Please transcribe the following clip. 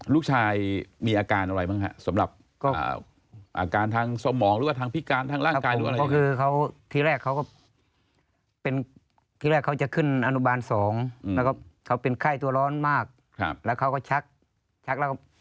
ลูกชายมีอาการอะไรบ้างครับสำหรับอาการทางสมองหรือว่าทางพิการทางร่างกายหรืออะไร